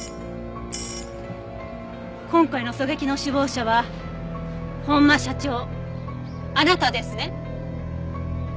今回の狙撃の首謀者は本間社長あなたですね？